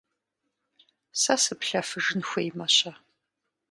Сэ сыплъэфыжын хуеймэ-щэ?